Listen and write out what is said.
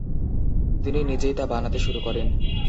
তিনি নিজেই তা বানাতে শুরু করেন।